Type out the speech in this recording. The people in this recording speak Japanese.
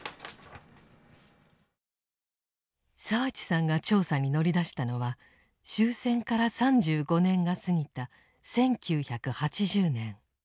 澤地さんが調査に乗り出したのは終戦から３５年が過ぎた１９８０年。